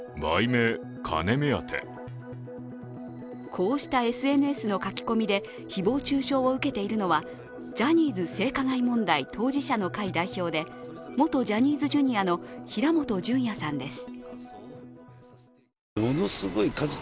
こうしたＳＮＳの書き込みで誹謗中傷を受けているのは、ジャニーズ性加害問題当事者の会代表で元ジャニーズＪｒ．の平本淳也さんです。